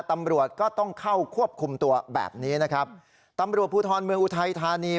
ตำรวจก็ต้องเข้าควบคุมตัวแบบนี้นะครับตำรวจภูทรเมืองอุทัยธานี